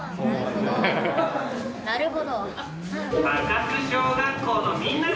高須小学校のみんな！